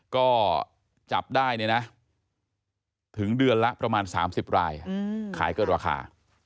ก็จับได้เนี่ยนะถึงเดือนละประมาณ๓๐รายขายเกินราคา